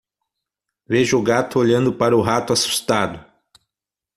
Veja o gato olhando para o rato assustado.